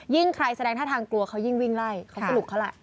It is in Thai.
ใครแสดงท่าทางกลัวเขายิ่งวิ่งไล่เขาสรุปเขาล่ะ